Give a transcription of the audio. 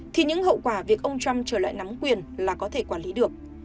thì những hậu quả việc ông trump trở lại nắm quyền là có thể quản lý được